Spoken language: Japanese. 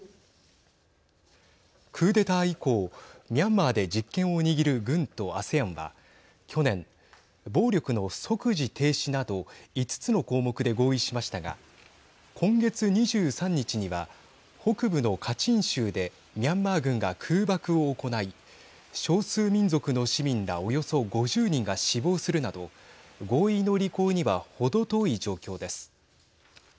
クーデター以降ミャンマーで実権を握る軍とＡＳＥＡＮは去年、暴力の即時停止など５つの項目で合意しましたが今月２３日には北部のカチン州でミャンマー軍が空爆を行い少数民族の市民らおよそ５０人が死亡するなど合意の履行には程遠い状況です。